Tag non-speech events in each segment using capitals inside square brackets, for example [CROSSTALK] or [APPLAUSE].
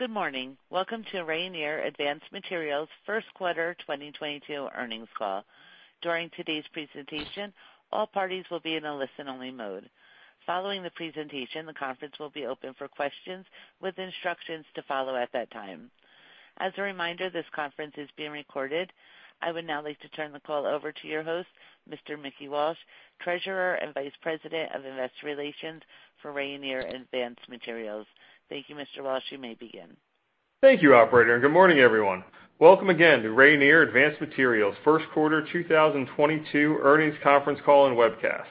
Good morning. Welcome to Rayonier Advanced Materials' first quarter 2022 earnings call. During today's presentation, all parties will be in a listen-only mode. Following the presentation, the conference will be open for questions with instructions to follow at that time. As a reminder, this conference is being recorded. I would now like to turn the call over to your host, Mr. Mickey Walsh, Treasurer and Vice President of Investor Relations for Rayonier Advanced Materials. Thank you, Mr. Walsh. You may begin. Thank you, operator, and good morning, everyone. Welcome again to Rayonier Advanced Materials' first quarter 2022 earnings conference call and webcast.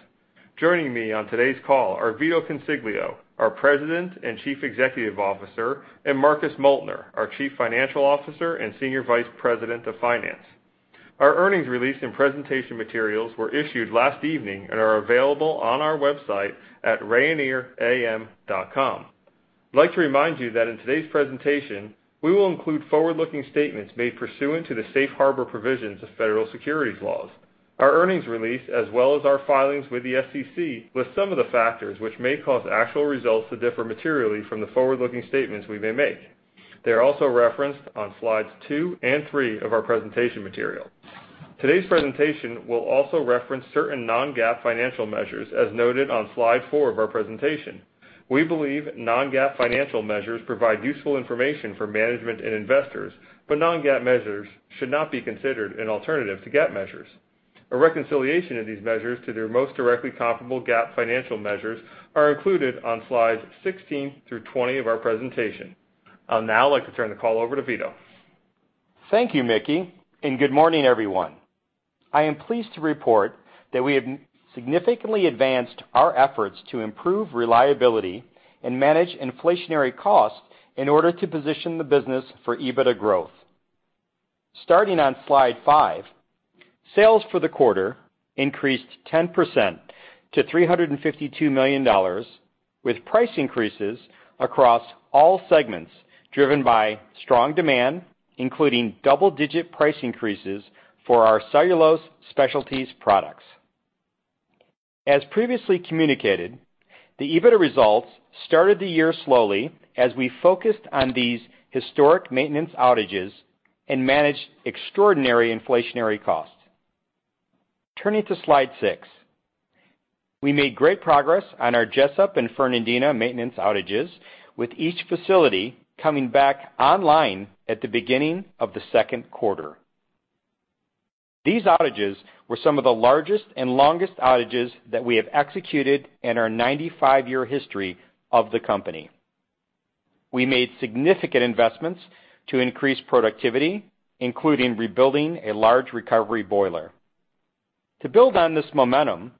Joining me on today's call are Vito Consiglio, our President and Chief Executive Officer, and Marcus Moeltner, our Chief Financial Officer and Senior Vice President of Finance. Our earnings release and presentation materials were issued last evening and are available on our website at rayonieram.com. I'd like to remind you that in today's presentation, we will include forward-looking statements made pursuant to the safe harbor provisions of federal securities laws. Our earnings release, as well as our filings with the SEC, list some of the factors which may cause actual results to differ materially from the forward-looking statements we may make. They're also referenced on slides two and three of our presentation material. Today's presentation will also reference certain non-GAAP financial measures, as noted on slide four of our presentation. We believe non-GAAP financial measures provide useful information for management and investors, but non-GAAP measures should not be considered an alternative to GAAP measures. A reconciliation of these measures to their most directly comparable GAAP financial measures are included on slides 16 through 20 of our presentation. I'll now like to turn the call over to Vito Consiglio. Thank you, Mickey, and good morning, everyone. I am pleased to report that we have significantly advanced our efforts to improve reliability and manage inflationary costs in order to position the business for EBITDA growth. Starting on slide five, sales for the quarter increased 10% to $352 million, with price increases across all segments, driven by strong demand, including double-digit price increases for our Cellulose Specialties products. As previously communicated, the EBITDA results started the year slowly as we focused on these historic maintenance outages and managed extraordinary inflationary costs. Turning to slide six. We made great progress on our Jesup and Fernandina maintenance outages, with each facility coming back online at the beginning of the second quarter. These outages were some of the largest and longest outages that we have executed in our 95-year history of the company. We made significant investments to increase productivity, including rebuilding a large recovery boiler. To build on this momentum,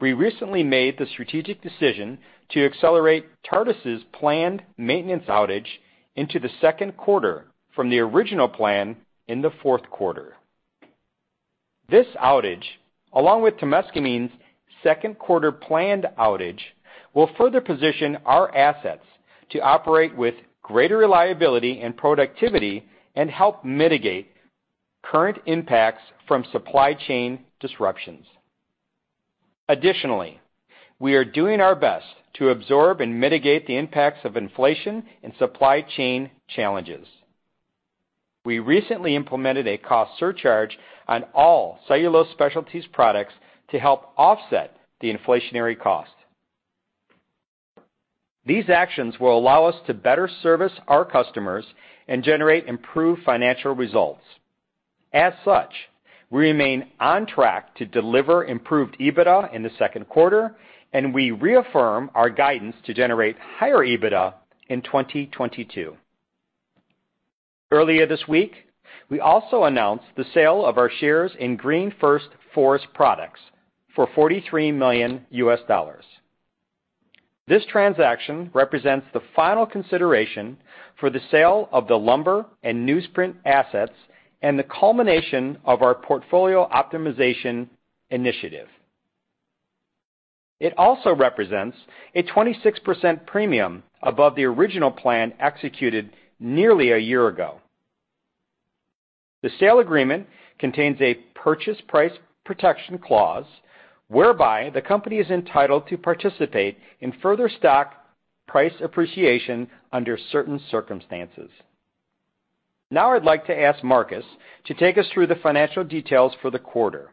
we recently made the strategic decision to accelerate Tartas' planned maintenance outage into the second quarter from the original plan in the fourth quarter. This outage, along with Temiscaming's second quarter planned outage, will further position our assets to operate with greater reliability and productivity and help mitigate current impacts from supply chain disruptions. Additionally, we are doing our best to absorb and mitigate the impacts of inflation and supply chain challenges. We recently implemented a cost surcharge on all Cellulose Specialties products to help offset the inflationary cost. These actions will allow us to better service our customers and generate improved financial results. As such, we remain on track to deliver improved EBITDA in the second quarter, and we reaffirm our guidance to generate higher EBITDA in 2022. Earlier this week, we also announced the sale of our shares in GreenFirst Forest Products for $43 million. This transaction represents the final consideration for the sale of the lumber and newsprint assets and the culmination of our portfolio optimization initiative. It also represents a 26% premium above the original plan executed nearly a year ago. The sale agreement contains a purchase price protection clause whereby the company is entitled to participate in further stock price appreciation under certain circumstances. Now I'd like to ask Marcus to take us through the financial details for the quarter.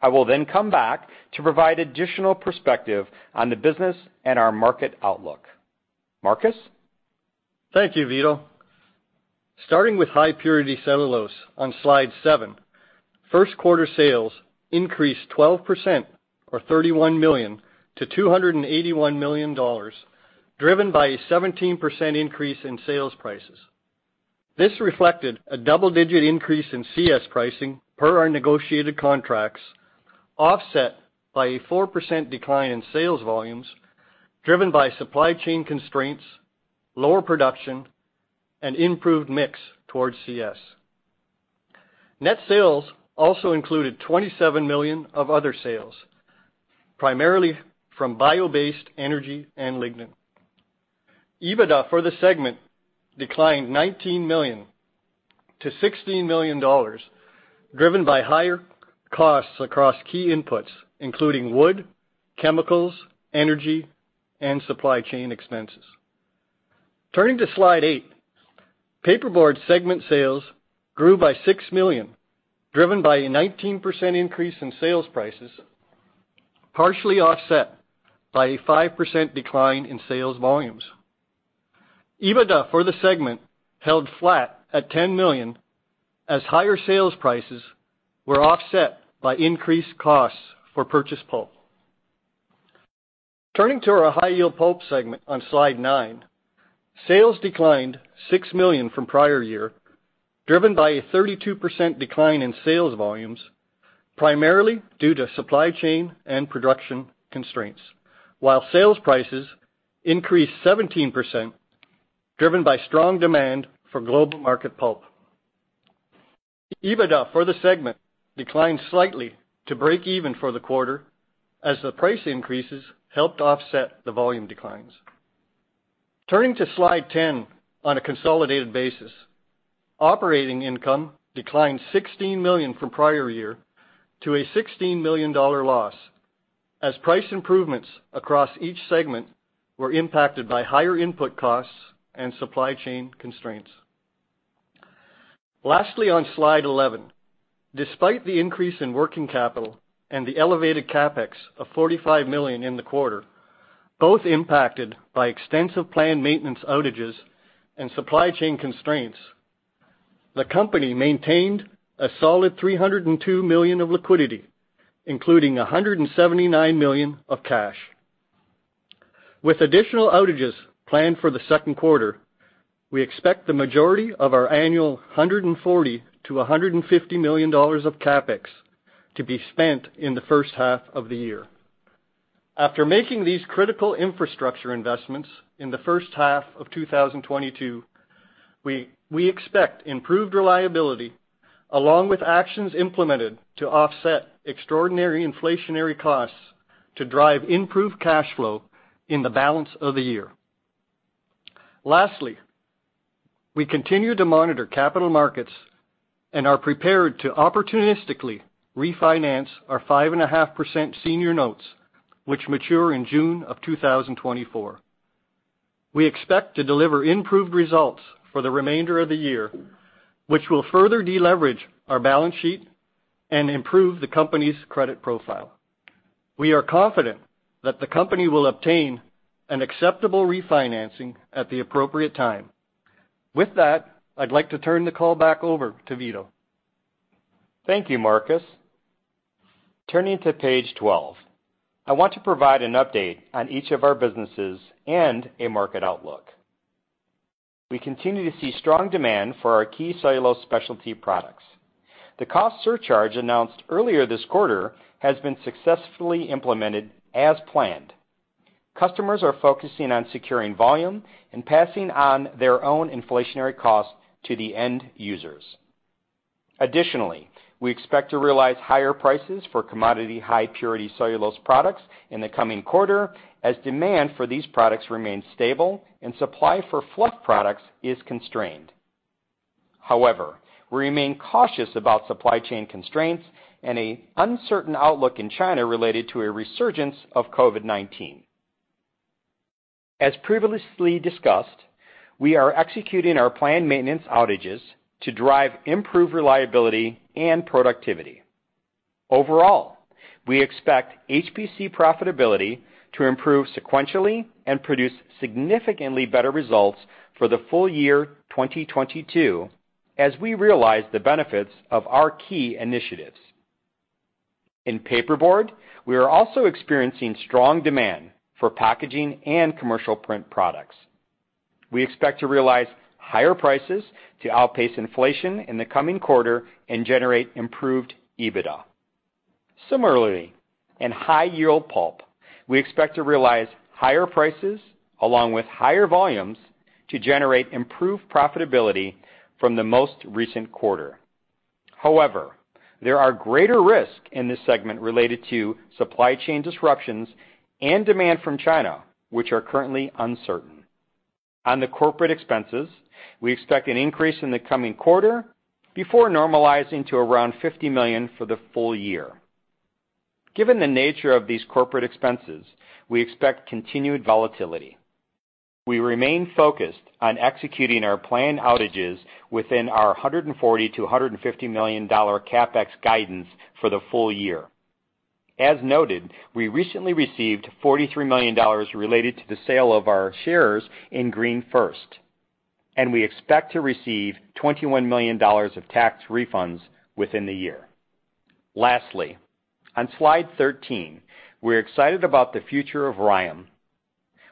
I will then come back to provide additional perspective on the business and our market outlook. Marcus? Thank you, Vito. Starting with High Purity Cellulose on slide seven, first quarter sales increased 12% or $31 million to $281 million, driven by a 17% increase in sales prices. This reflected a double-digit increase in CS pricing per our negotiated contracts, offset by a 4% decline in sales volumes driven by supply chain constraints, lower production, and improved mix towards CS. Net sales also included $27 million of other sales, primarily from bio-based energy and lignin. EBITDA for the segment declined $19 million. To $16 million, driven by higher costs across key inputs, including wood, chemicals, energy, and supply chain expenses. Turning to slide eight, paperboard segment sales grew by $6 million, driven by a 19% increase in sales prices, partially offset by a 5% decline in sales volumes. EBITDA for the segment held flat at $10 million as higher sales prices were offset by increased costs for purchased pulp. Turning to our high-yield pulp segment on slide nine, sales declined $6 million from prior year, driven by a 32% decline in sales volumes, primarily due to supply chain and production constraints, while sales prices increased 17%, driven by strong demand for global market pulp. EBITDA for the segment declined slightly to break even for the quarter as the price increases helped offset the volume declines. Turning to slide 10, on a consolidated basis, operating income declined $16 million from prior year to a $16 million loss as price improvements across each segment were impacted by higher input costs and supply chain constraints. Lastly, on slide 11, despite the increase in working capital and the elevated CapEx of $45 million in the quarter, both impacted by extensive planned maintenance outages and supply chain constraints, the company maintained a solid $302 million of liquidity, including $179 million of cash. With additional outages planned for the second quarter, we expect the majority of our annual $140 million-$150 million of CapEx to be spent in the first half of the year. After making these critical infrastructure investments in the first half of 2022, we expect improved reliability along with actions implemented to offset extraordinary inflationary costs to drive improved cash flow in the balance of the year. Lastly, we continue to monitor capital markets and are prepared to opportunistically refinance our 5.5% senior notes, which mature in June of 2024. We expect to deliver improved results for the remainder of the year, which will further deleverage our balance sheet and improve the company's credit profile. We are confident that the company will obtain an acceptable refinancing at the appropriate time. With that, I'd like to turn the call back over to Vito. Thank you, Marcus. Turning to page 12, I want to provide an update on each of our businesses and a market outlook. We continue to see strong demand for our key cellulose specialty products. The cost surcharge announced earlier this quarter has been successfully implemented as planned. Customers are focusing on securing volume and passing on their own inflationary costs to the end users. Additionally, we expect to realize higher prices for commodity high purity cellulose products in the coming quarter as demand for these products remains stable and supply for fluff products is constrained. However, we remain cautious about supply chain constraints and a uncertain outlook in China related to a resurgence of COVID-19. As previously discussed, we are executing our planned maintenance outages to drive improved reliability and productivity. Overall, we expect HPC profitability to improve sequentially and produce significantly better results for the full year 2022 as we realize the benefits of our key initiatives. In paperboard, we are also experiencing strong demand for packaging and commercial print products. We expect to realize higher prices to outpace inflation in the coming quarter and generate improved EBITDA. Similarly, in high-yield pulp, we expect to realize higher prices along with higher volumes to generate improved profitability from the most recent quarter. However, there are greater risk in this segment related to supply chain disruptions and demand from China, which are currently uncertain. On the corporate expenses, we expect an increase in the coming quarter before normalizing to around $50 million for the full year. Given the nature of these corporate expenses, we expect continued volatility. We remain focused on executing our planned outages within our $140-$150 million CapEx guidance for the full year. As noted, we recently received $43 million related to the sale of our shares in GreenFirst, and we expect to receive $21 million of tax refunds within the year. Lastly, on slide 13, we're excited about the future of RYAM.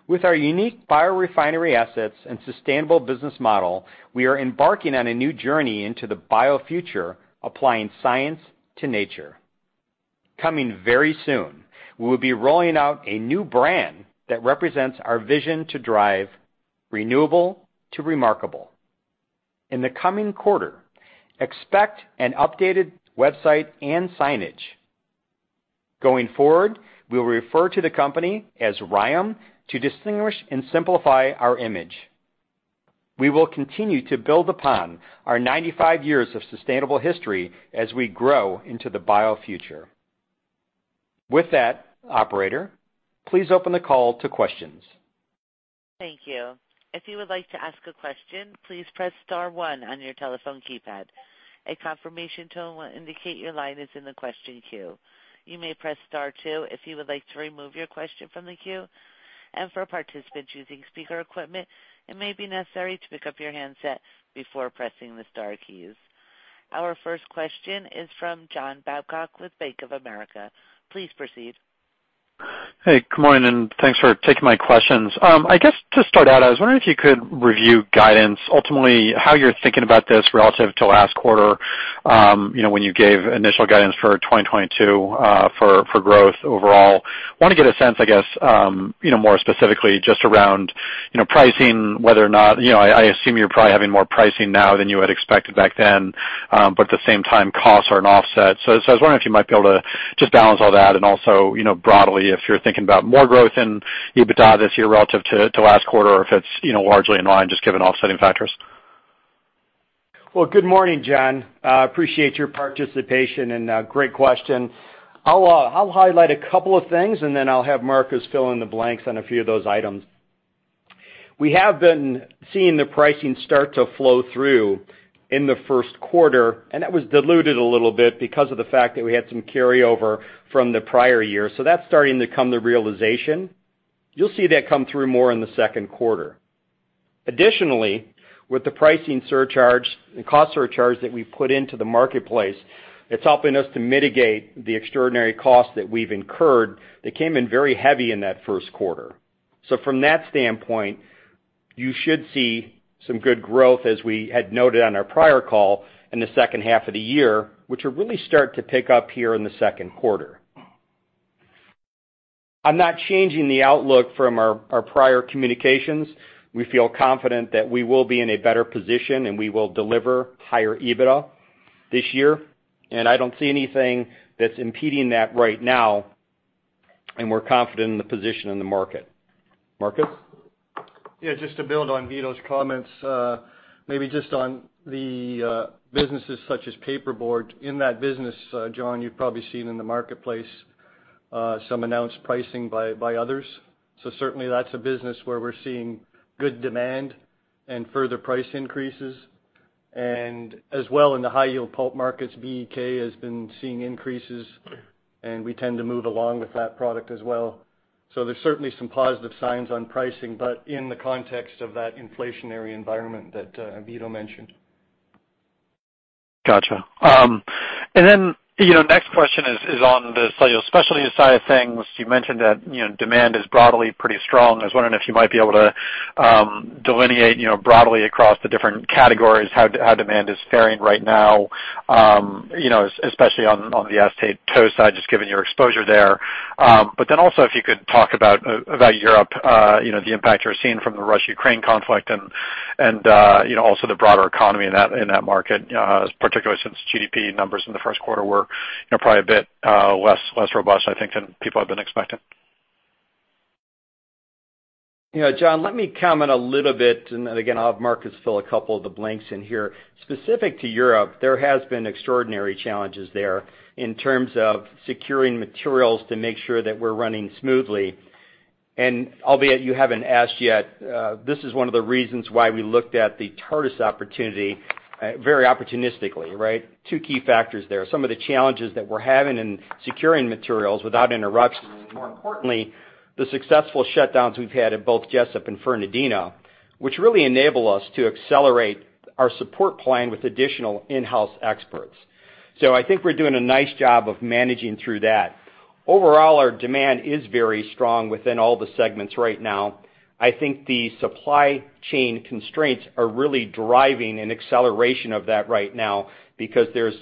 With our unique biorefinery assets and sustainable business model, we are embarking on a new journey into the bio future, applying science to nature. Coming very soon, we will be rolling out a new brand that represents our vision to drive renewable to remarkable. In the coming quarter, expect an updated website and signage. Going forward, we will refer to the company as RYAM to distinguish and simplify our image. We will continue to build upon our 95 years of sustainable history as we grow into the bio future. With that, operator, please open the call to questions. Thank you. If you would like to ask a question, please press star one on your telephone keypad. A confirmation tone will indicate your line is in the question queue. You may press star two if you would like to remove your question from the queue. For participants using speaker equipment, it may be necessary to pick up your handset before pressing the star keys. Our first question is from John Babcock with Bank of America. Please proceed. Hey, good morning, and thanks for taking my questions. I guess to start out, I was wondering if you could review guidance, ultimately, how you're thinking about this relative to last quarter when you gave initial guidance for 2022, for growth overall. Want to get a sense, I guess more specifically just around pricing, whether or not I assume you're probably having more pricing now than you had expected back then, but at the same time, costs are an offset. I was wondering if you might be able to just balance all that and also broadly, if you're thinking about more growth in EBITDA this year relative to last quarter or if it's largely in line just given offsetting factors. Well, good morning, John. Appreciate your participation and great question. I'll highlight a couple of things, and then I'll have Marcus fill in the blanks on a few of those items. We have been seeing the pricing start to flow through in the first quarter, and that was diluted a little bit because of the fact that we had some carryover from the prior year. That's starting to come to realization. You'll see that come through more in the second quarter. Additionally, with the pricing surcharge and cost surcharge that we put into the marketplace, it's helping us to mitigate the extraordinary costs that we've incurred that came in very heavy in that first quarter. From that standpoint, you should see some good growth, as we had noted on our prior call in the second half of the year, which will really start to pick up here in the second quarter. I'm not changing the outlook from our prior communications. We feel confident that we will be in a better position, and we will deliver higher EBITDA this year. I don't see anything that's impeding that right now, and we're confident in the position in the market. Marcus? Yeah, just to build on Vito's comments, maybe just on the businesses such as Paperboard. In that business, John, you've probably seen in the marketplace some announced pricing by others. Certainly that's a business where we're seeing good demand and further price increases. As well in the High-Yield Pulp markets, BEK has been seeing increases, and we tend to move along with that product as well. There's certainly some positive signs on pricing, but in the context of that inflationary environment that Vito mentioned. Next question is on the Cellulose Specialties side of things. You mentioned that demand is broadly pretty strong. I was wondering if you might be able to delineate broadly across the different categories how demand is faring right now especially on the acetate tow side, just given your exposure there. If you could talk about Europe the impact you're seeing from the Russia-Ukraine conflict and also the broader economy in that market, particularly since GDP numbers in the first quarter were probably a bit less robust, I think, than people have been expecting. John, let me comment a little bit, and then again, I'll have Marcus fill a couple of the blanks in here. Specific to Europe, there has been extraordinary challenges there in terms of securing materials to make sure that we're running smoothly. Albeit you haven't asked yet, this is one of the reasons why we looked at the Tartas opportunity, very opportunistically, right? Two key factors there. Some of the challenges that we're having in securing materials without interruption, and more importantly, the successful shutdowns we've had at both Jesup and Fernandina, which really enable us to accelerate our support plan with additional in-house experts. I think we're doing a nice job of managing through that. Overall, our demand is very strong within all the segments right now. I think the supply chain constraints are really driving an acceleration of that right now because there's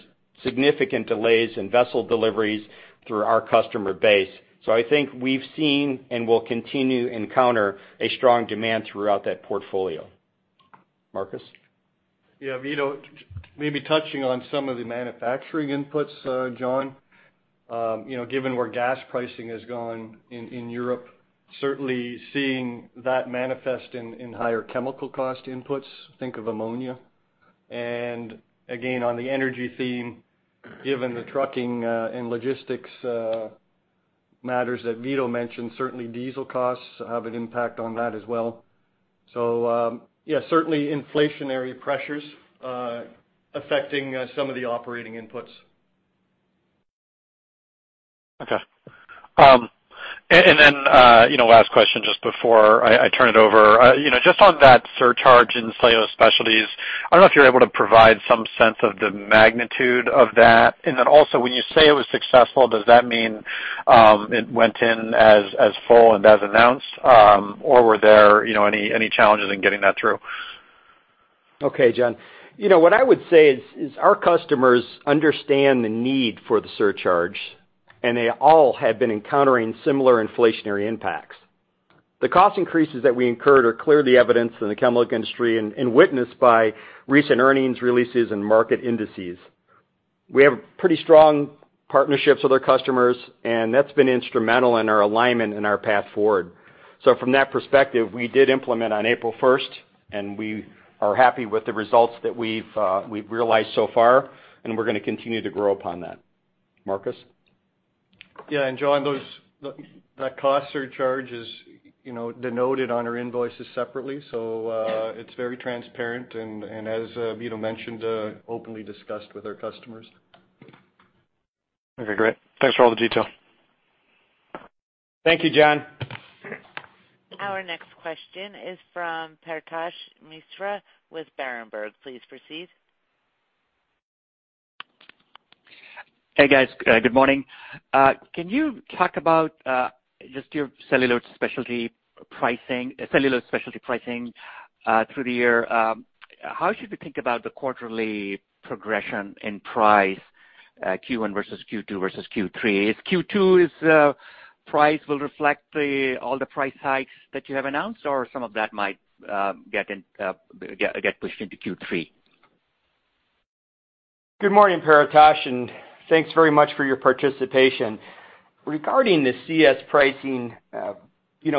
significant delays in vessel deliveries through our customer base. I think we've seen and will continue to encounter a strong demand throughout that portfolio. Marcus? Yeah, Vito, maybe touching on some of the manufacturing inputs, John. given where gas pricing has gone in Europe, certainly seeing that manifest in higher chemical cost inputs, think of ammonia. Again, on the energy theme, given the trucking and logistics matters that Vito mentioned, certainly diesel costs have an impact on that as well. Certainly inflationary pressures affecting some of the operating inputs. Last question just before I turn it over, just on that surcharge in Cellulose Specialties, I don't know if you're able to provide some sense of the magnitude of that. Then also, when you say it was successful, does that mean, it went in as full and as announced, or were there any challenges in getting that through? John, what I would say is our customers understand the need for the surcharge, and they all have been encountering similar inflationary impacts. The cost increases that we incurred are clearly evidenced in the chemical industry and witnessed by recent earnings releases and market indices. We have pretty strong partnerships with our customers, and that's been instrumental in our alignment and our path forward. From that perspective, we did implement on April first, and we are happy with the results that we've realized so far, and we're gonna continue to grow upon that. Marcus? Yeah. John, that cost surcharge is denoted on our invoices separately. It's very transparent and, as Vito mentioned, openly discussed with our customers. Okay, great. Thanks for all the detail. Thank you, John. Our next question is from Paretosh Misra with Berenberg. Please proceed. Hey, guys. Good morning. Can you talk about just your Cellulose Specialties pricing through the year? How should we think about the quarterly progression in price, Q1 versus Q2 versus Q3? Is Q2 price will reflect all the price hikes that you have announced or some of that might get pushed into Q3? Good morning, Paretosh, and thanks very much for your participation. Regarding the CS pricing I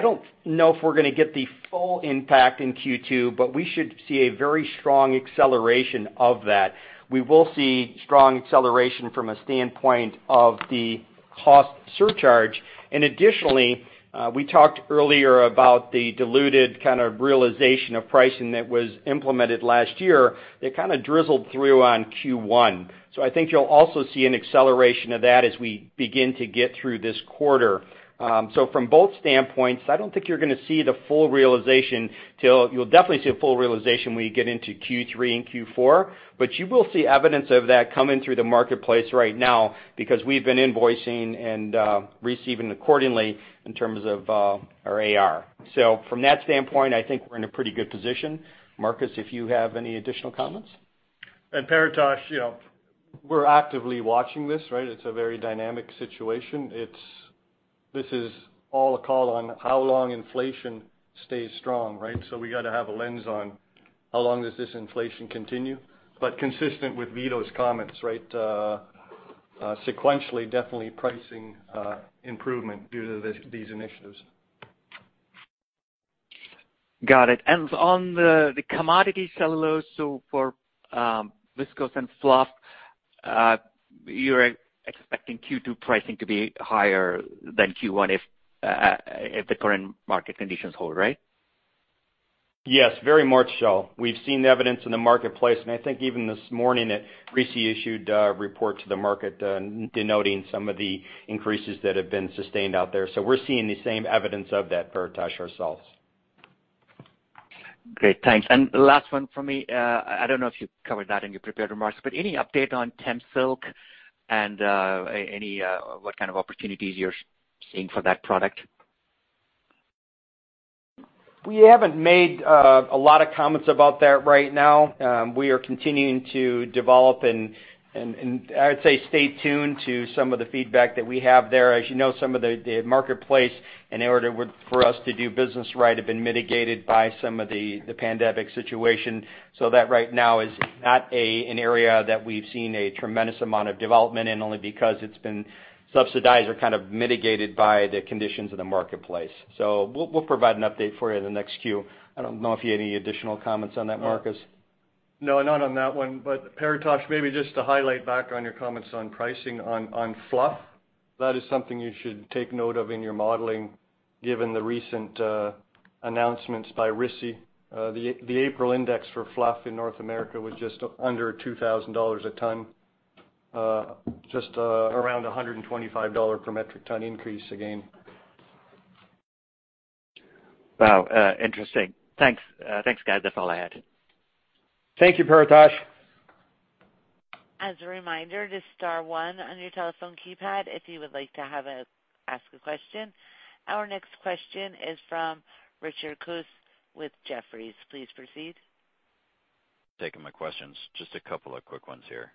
don't know if we're gonna get the full impact in Q2, but we should see a very strong acceleration of that. We will see strong acceleration from a standpoint of the cost surcharge. Additionally, we talked earlier about the diluted kind of realization of pricing that was implemented last year that kinda trickled through on Q1. I think you'll also see an acceleration of that as we begin to get through this quarter. From both standpoints, I don't think you're gonna see the full realization still. You'll definitely see a full realization when you get into Q3 and Q4, but you will see evidence of that coming through the marketplace right now because we've been invoicing and receiving accordingly in terms of our AR. From that standpoint, I think we're in a pretty good position. Marcus, if you have any additional comments. Paretosh we're actively watching this, right? It's a very dynamic situation. This is all a call on how long inflation stays strong, right? We gotta have a lens on how long does this inflation continue. Consistent with Vito's comments, right, sequentially, definitely pricing improvement due to these initiatives. Got it. On the commodity cellulose, so for viscose and fluff, you're expecting Q2 pricing to be higher than Q1 if the current market conditions hold, right? Yes, very much so. We've seen evidence in the marketplace, and I think even this morning, RISI issued a report to the market, denoting some of the increases that have been sustained out there. We're seeing the same evidence of that, Paretosh, ourselves. Great. Thanks. Last one for me, I don't know if you covered that in your prepared remarks, but any update on TemSilk and what kind of opportunities you're seeing for that product? We haven't made a lot of comments about that right now. We are continuing to develop and I would say stay tuned to some of the feedback that we have there. As you know, some of the marketplace in order for us to do business right have been mitigated by the pandemic situation. That right now is not an area that we've seen a tremendous amount of development in only because it's been subsidized or kind of mitigated by the conditions in the marketplace. We'll provide an update for you in the next Q. I don't know if you had any additional comments on that, Marcus. No, not on that one. Paretosh, maybe just to highlight back on your comments on pricing on fluff, that is something you should take note of in your modeling given the recent announcements by RISI. The April index for fluff in North America was just under $2,000 a ton, just around a $125 per metric ton increase again. Wow, interesting. Thanks, guys. That's all I had. Thank you, Paretosh. As a reminder, just star one on your telephone keypad if you would like to ask a question. Our next question is from Richard Kunes with Jefferies. Please proceed. Thank you for taking my questions. Just a couple of quick ones here.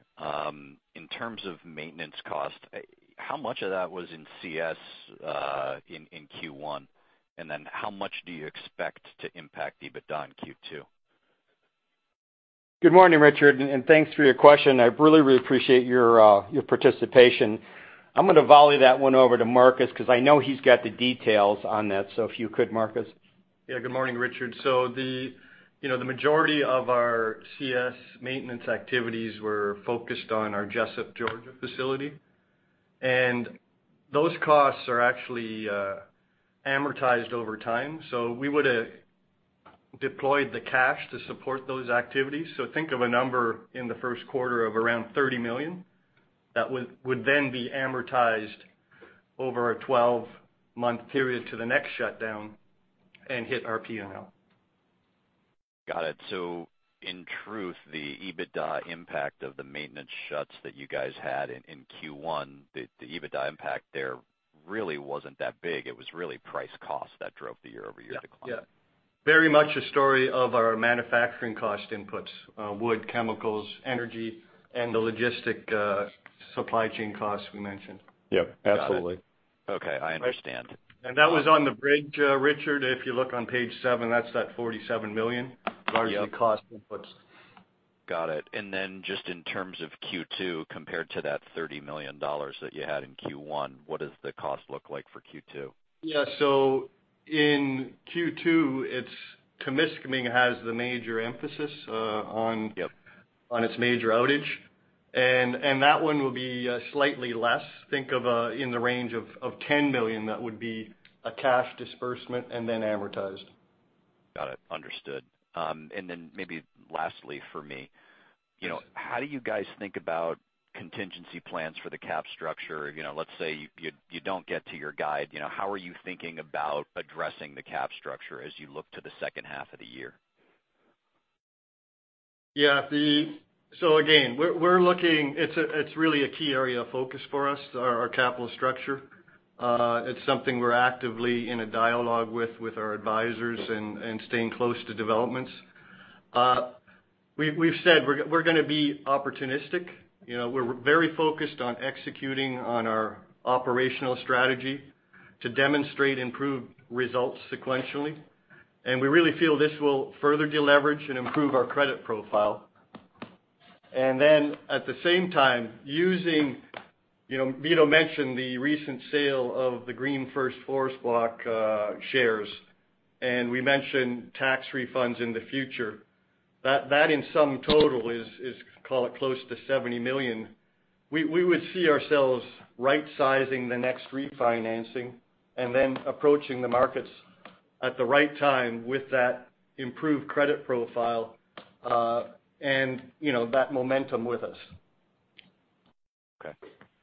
In terms of maintenance cost, how much of that was in CS in Q1? How much do you expect to impact EBITDA in Q2? Good morning, Richard, and thanks for your question. I really appreciate your participation. I'm gonna volley that one over to Marcus because I know he's got the details on that. If you could, Marcus. Yeah. Good morning, Richard. The majority of our CS maintenance activities were focused on our Jesup, Georgia facility. Those costs are actually amortized over time. We would've deployed the cash to support those activities. Think of a number in the first quarter of around $30 million that would then be amortized over a 12-month period to the next shutdown and hit our P&L. Got it. In truth, the EBITDA impact of the maintenance shuts that you guys had in Q1, the EBITDA impact there really wasn't that big. It was really price cost that drove the year-over-year decline. Very much a story of our manufacturing cost inputs, wood, chemicals, energy, and the logistics supply chain costs we mentioned. Yep, absolutely. Got it. Okay, I understand. That was on the bridge, Richard, if you look on page seven, that's $47 million. Largely cost inputs. Got it. Just in terms of Q2, compared to that $30 million that you had in Q1, what does the cost look like for Q2? Yeah. In Q2, Temiscaming has the major emphasis on On its major outage. That one will be slightly less, think of in the range of $10 million, that would be a cash disbursement and then amortized. Got it. Understood. Maybe lastly for me, how do you guys think about contingency plans for the cap structure? Let's say you don't get to your guide how are you thinking about addressing the cap structure as you look to the second half of the year? We're looking. It's really a key area of focus for us, our capital structure. It's something we're actively in a dialogue with our advisors and staying close to developments. We've said we're gonna be opportunistic. We're very focused on executing on our operational strategy to demonstrate improved results sequentially. We really feel this will further deleverage and improve our credit profile. At the same time, Vito mentioned the recent sale of the GreenFirst Forest Products shares, and we mentioned tax refunds in the future. That in sum total is, call it, close to $70 million. We would see ourselves rightsizing the next refinancing and then approaching the markets at the right time with that improved credit profile, and that momentum with us. Okay.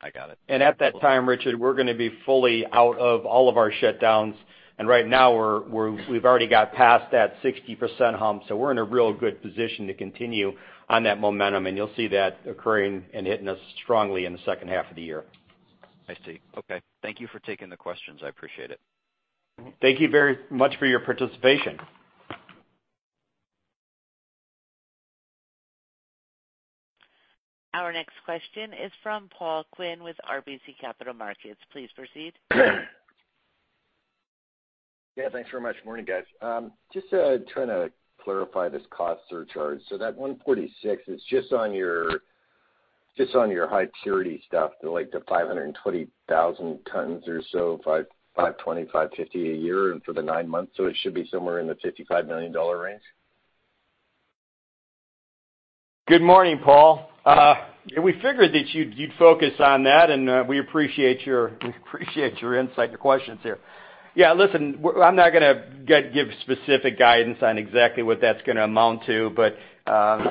I got it. At that time, Richard, we're gonna be fully out of all of our shutdowns. Right now, we've already got past that 60% hump, so we're in a real good position to continue on that momentum, and you'll see that occurring and hitting us strongly in the second half of the year. I see. Okay. Thank you for taking the questions. I appreciate it. Thank you very much for your participation. Our next question is from Paul Quinn with RBC Capital Markets. Please proceed. Yeah, thanks very much. Morning, guys. Just to try to clarify this cost surcharge. That $146 is just on your high purity stuff, like the 520,000 tons or so, 550 a year and for the nine months. It should be somewhere in the $55 million range? Good morning, Paul. We figured that you'd focus on that, and we appreciate your insight and questions here. Listen, I'm not gonna give specific guidance on exactly what that's gonna amount to, but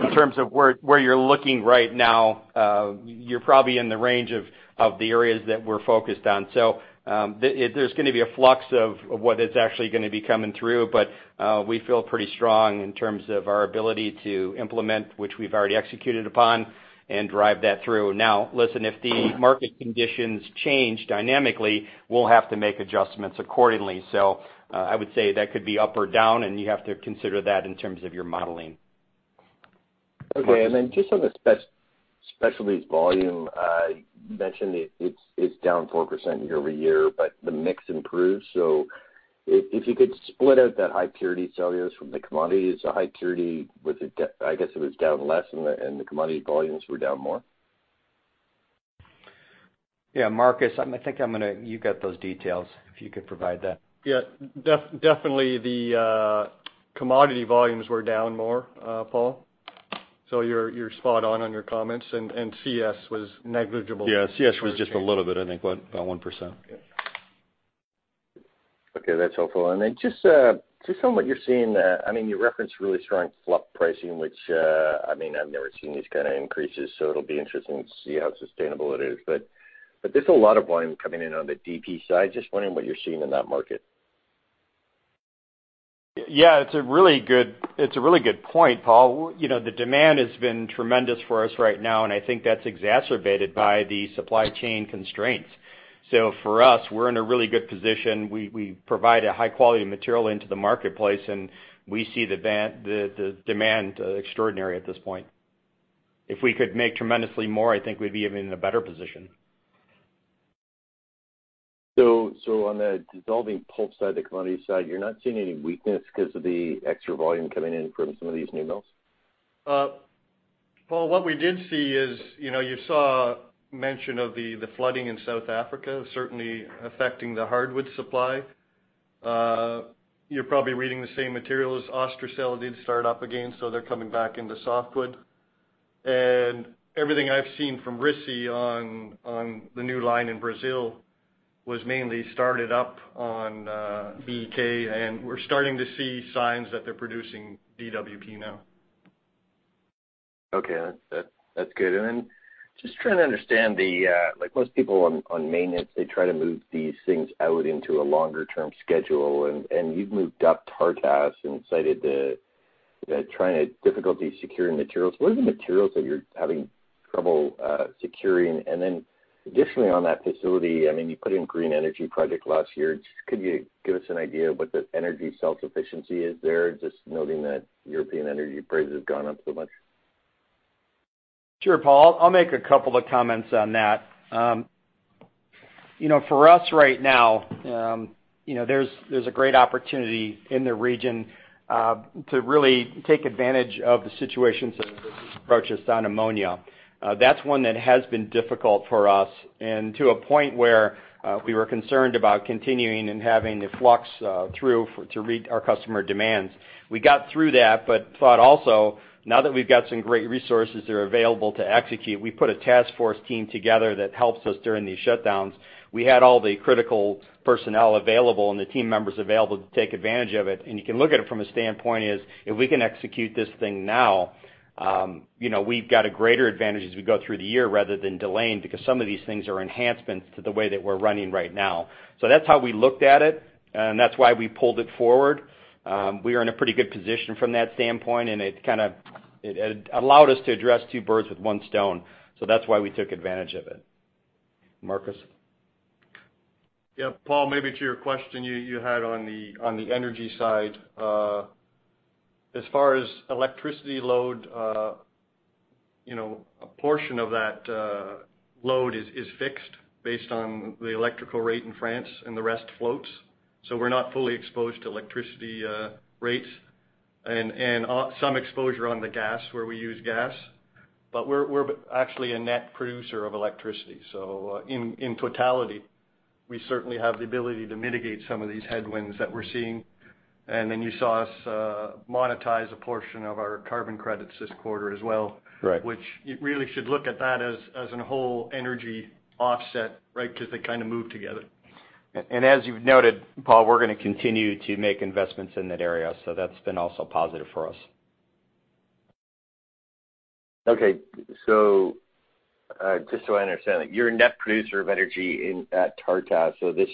in terms of where you're looking right now, you're probably in the range of the areas that we're focused on. There's gonna be a flux of what is actually gonna be coming through, but we feel pretty strong in terms of our ability to implement, which we've already executed upon, and drive that through. Now, listen, if the market conditions change dynamically, we'll have to make adjustments accordingly. I would say that could be up or down, and you have to consider that in terms of your modeling. Okay. Then just on the specialties volume, you mentioned it's down 4% year-over-year, but the mix improves. If you could split out that High Purity Cellulose from the commodities, the High Purity Cellulose, was it, I guess it was down less and the commodity volumes were down more. Yeah, Marcus, I think I'm gonna. You got those details, if you could provide that. Yeah. Definitely the commodity volumes were down more, Paul. You're spot on on your comments and CS was negligible. Yeah. CS was just a little bit, I think, what? 1%. Okay, that's helpful. Just on what you're seeing, I mean, you referenced really strong fluff pricing, which, I mean, I've never seen these kind of increases, so it'll be interesting to see how sustainable it is. There's a lot of volume coming in on the DP side. Just wondering what you're seeing in that market. It's a really good point Paul, the demand has been tremendous for us right now, and I think that's exacerbated by the supply chain constraints. For us, we're in a really good position. We provide a high quality material into the marketplace, and we see the demand extraordinary at this point. If we could make tremendously more, I think we'd be even in a better position. On the dissolving pulp side, the commodity side, you're not seeing any weakness because of the extra volume coming in from some of these new mills? Paul, what we did see is you saw mention of the flooding in South Africa, certainly affecting the hardwood supply. You're probably reading the same material as Bracell did start up again, so they're coming back into softwood. Everything I've seen from RISI on the new line in Brazil was mainly started up on BEK, and we're starting to see signs that they're producing DWP now. Okay. That's good. Just trying to understand the, like most people on maintenance, they try to move these things out into a longer term schedule and you've moved up Tartas and cited the difficulty securing materials. What are the materials that you're having trouble securing? Additionally on that facility, I mean, you put in green energy project last year. Could you give us an idea of what the energy self-sufficiency is there, just noting that European energy prices have gone up so much? Sure, Paul, I'll make a couple of comments on that. For us right now, there's a great opportunity in the region to really take advantage of the situations that have been approached on ammonia. That's one that has been difficult for us and to a point where we were concerned about continuing and having the fluff through to meet our customer demands. We got through that, but thought also, now that we've got some great resources that are available to execute, we put a task force team together that helps us during these shutdowns. We had all the critical personnel available and the team members available to take advantage of it. You can look at it from a standpoint. Is, if we can execute this thing now, we've got a greater advantage as we go through the year rather than delaying, because some of these things are enhancements to the way that we're running right now. That's how we looked at it, and that's why we pulled it forward. We are in a pretty good position from that standpoint, and it kind of allowed us to address two birds with one stone. That's why we took advantage of it. Marcus? Yeah, Paul, maybe to your question you had on the energy side. As far as electricity load a portion of that load is fixed based on the electrical rate in France and the rest floats. So we're not fully exposed to electricity rates and some exposure on the gas where we use gas, but we're actually a net producer of electricity. So in totality, we certainly have the ability to mitigate some of these headwinds that we're seeing. Then you saw us monetize a portion of our carbon credits this quarter as well, which you really should look at that as a whole energy offset, right? 'Cause they kinda move together. As you've noted, Paul, we're gonna continue to make investments in that area. That's been also positive for us. Just so I understand, you're a net producer of energy in at Tartas, so this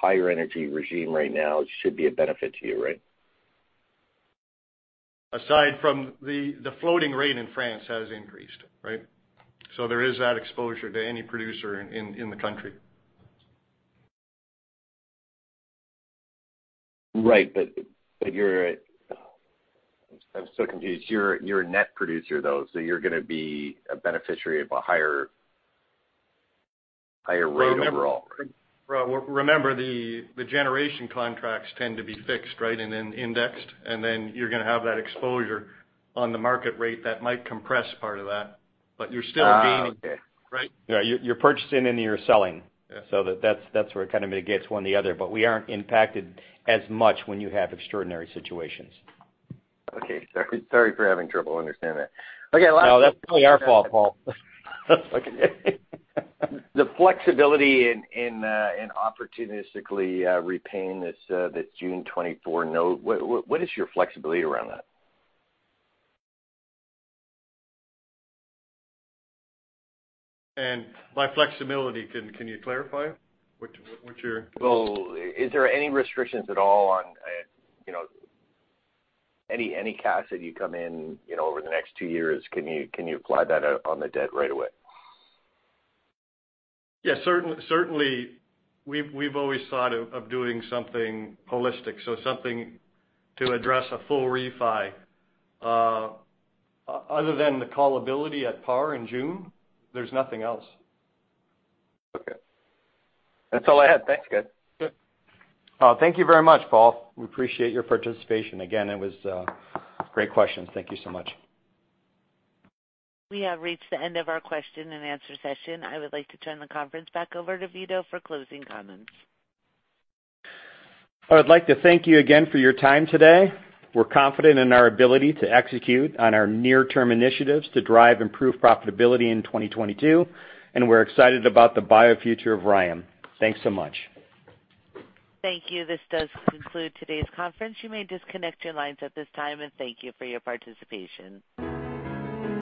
higher energy regime right now should be a benefit to you, right? Aside from the floating rate in France has increased, right? There is that exposure to any producer in the country. Right. I'm still confused. You're a net producer though, so you're gonna be a beneficiary of a higher rate overall. Well, remember, the generation contracts tend to be fixed, right, and then indexed, and then you're gonna have that exposure on the market rate that might compress part of that, but you're still gaining. Okay. Right? Yeah, you're purchasing and you're selling. That's where it kind of mitigates one or the other. We aren't impacted as much when you have extraordinary situations. Okay. Sorry for having trouble understanding that. Okay, last [CROSSTALK] No, that's probably our fault, Paul. The flexibility in opportunistically repaying this June 2024 note, what is your flexibility around that? By flexibility, can you clarify? What's your- Well, is there any restrictions at all on any cash that you come in over the next two years, can you apply that out on the debt right away? Yes, certainly, we've always thought of doing something holistic, so something to address a full refi. Other than the callability at par in June, there's nothing else. Okay. That's all I had. Thanks, guys. Sure. Thank you very much, Paul. We appreciate your participation. Again, it was great questions. Thank you so much. We have reached the end of our question and answer session. I would like to turn the conference back over to Vito for closing comments. I would like to thank you again for your time today. We're confident in our ability to execute on our near-term initiatives to drive improved profitability in 2022, and we're excited about the bio future of RYAM. Thanks so much. Thank you. This does conclude today's conference. You may disconnect your lines at this time, and thank you for your participation.